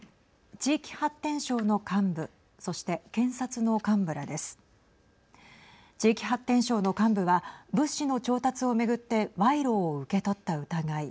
地域発展省の幹部は物資の調達を巡って賄賂を受け取った疑い。